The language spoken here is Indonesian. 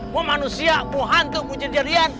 bu manusia bu hantu bu jenjadian